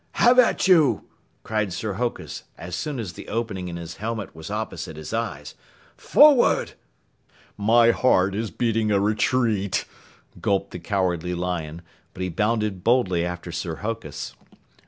"Have at you!" cried Sir Hokus as soon as the opening in his helmet was opposite his eyes. "Forward!" "My heart is beating a retreat," gulped the Cowardly Lion, but he bounded boldly after Sir Hokus.